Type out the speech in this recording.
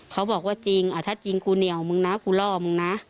เขาบอกว่าจริงถ้าจริงกูเหนียวมึงนะกูล่อมึงนะ